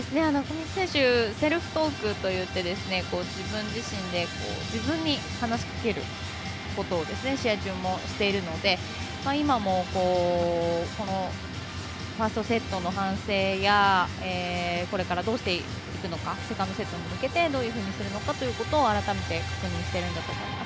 上地選手はセルフトークといって自分自身で自分に話しかけることを試合中もしているので今も、ファーストセットの反省や、これからどうしていくのかセカンドセットに向けてどういうふうにするのかを改めて確認しているんだと思います。